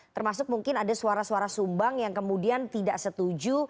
termasuk mungkin ada suara suara sumbang yang kemudian tidak setuju